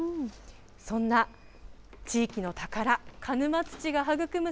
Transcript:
そんな地域の宝、鹿沼土が育む